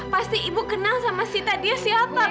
pasti ibu kenal sama sita dia siapa bu